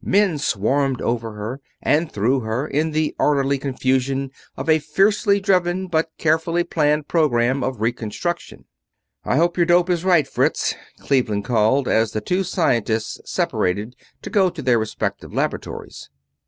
Men swarmed over her and through her, in the orderly confusion of a fiercely driven but carefully planned program of reconstruction. "I hope your dope is right, Fritz!" Cleveland called, as the two scientists separated to go to their respective laboratories.